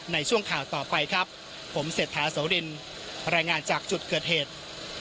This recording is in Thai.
ในช่วงข่าวต่อไปครับผมเศรษฐาโสรินรายงานจากจุดเกิดเหตุ